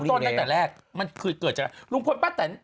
เริ่มต้นตั้งแต่แรกมันคือเกิดจากลุงพลป้าแต่